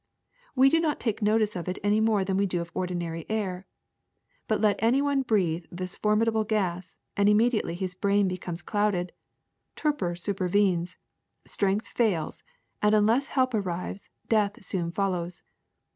We do not take note of it any more than we do of ordinary air. ^'But let any one breathe this formidable gas, and immediately the brain becomes clouded, torpor supervenes, strength fails, and unless help arrives death soon follows.